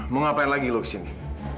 mau ngapain lagi lo kesini